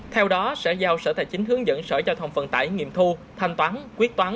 theo đó sở giao sở tài chính hướng dẫn sở giao thông vận tải nghiệm thu thanh toán quyết toán